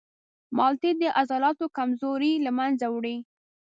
مالټې د عضلاتو کمزوري له منځه وړي.